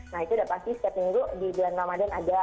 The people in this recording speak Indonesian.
nah itu udah pasti setiap minggu di bulan ramadan ada